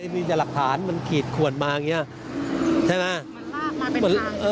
มีแต่หลักฐานมันขีดขวนมาอย่างเงี้ยใช่ไหม